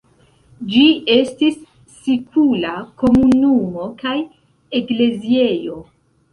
Ĝi estis sikula komunumo kaj ekleziejo.